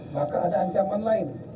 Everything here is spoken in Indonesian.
maka ada ancaman lain